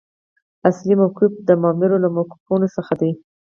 اصلي موقف د مامور له موقفونو څخه دی.